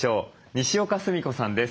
にしおかすみこさんです。